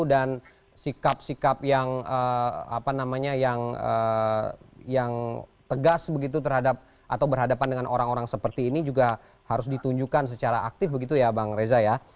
sikap sikap yang tegas begitu terhadap atau berhadapan dengan orang orang seperti ini juga harus ditunjukkan secara aktif begitu ya bang reza ya